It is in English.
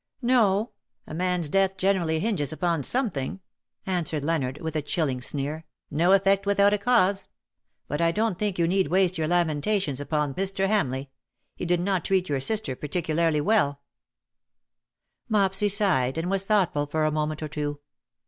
" No ; a man's death generally hinges upon something," answered Leonard, with a chilling 177 sneer; "no effect without a cause. But I don^t think you need waste your lamentations upon Mr. Hamleigh ; he did not treat your sister particularly well/' Mopsy sighed, and was thoughtful for a moment or two.